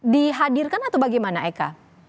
dihadirkan atau bagaimana eka